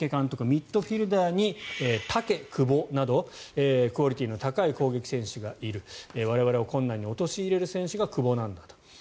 ミッドフィールダーにタケ・クボなど非常にクオリティーの高い攻撃選手がいる我々を困難に陥れる選手が久保なんだと。